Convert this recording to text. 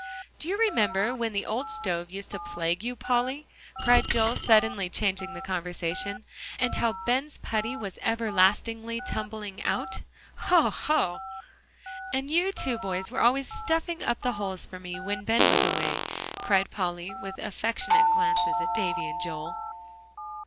"Do you remember when the old stove used to plague you, Polly?" cried Joel, suddenly changing the conversation. "And how Ben's putty was everlastingly tumbling out? Hoh hoh!" "And you two boys were always stuffing up the holes for me, when Ben was away," cried Polly, with affectionate glances at Davie and Joel.